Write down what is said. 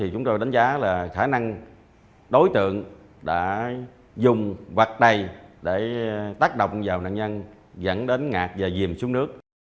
chúng tôi đánh giá là khả năng đối tượng đã dùng vặt đầy để tác động vào nạn nhân dẫn đến ngạc và dìm xuống nước